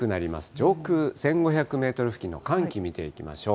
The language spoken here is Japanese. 上空１５００メートル付近の寒気見ていきましょう。